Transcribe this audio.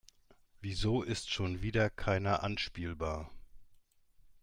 Wieso ist schon wieder keiner anspielbar?